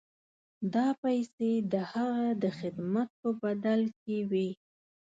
دا پیسې د هغه د خدمت په بدل کې وې.